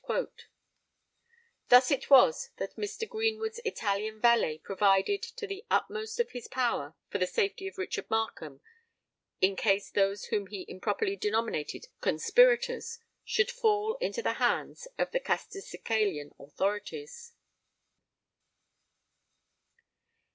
_" Thus was it that Mr. Greenwood's Italian valet provided, to the utmost of his power, for the safety of Richard Markham, in case those whom he improperly denominated "conspirators" should fall into the hands of the Castelcicalan authorities.